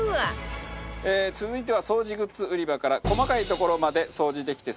続いては掃除グッズ売り場から細かい所まで掃除できて最高！